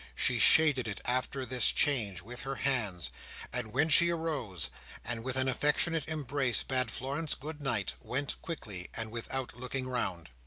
She shaded it, after this change, with her hands; and when she arose, and with an affectionate embrace bade Florence good night, went quickly, and without looking round.